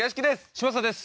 嶋佐です。